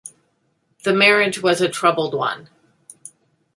The marriage was a troubled one.